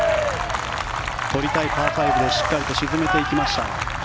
取りたいパー５でしっかり沈めていきました。